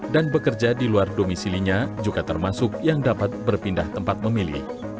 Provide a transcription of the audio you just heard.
dan bekerja di luar domisilinya juga termasuk yang dapat berpindah tempat memilih